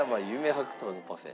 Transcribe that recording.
白桃のパフェ。